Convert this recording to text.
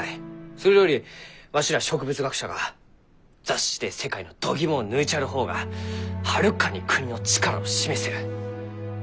それよりわしら植物学者が雑誌で世界のどぎもを抜いちゃる方がはるかに国の力を示せる。